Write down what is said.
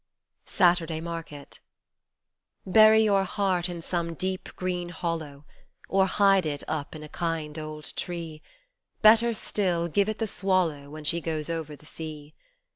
53 SATURDAY MARKET BURY your heart in some deep green hollow Or hide it up in a kind old tree Better still, give it the swallow When she goes over the sea.